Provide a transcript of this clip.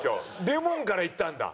レモンからいったんだ？